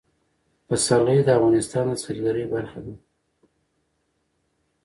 پسرلی د افغانستان د سیلګرۍ برخه ده.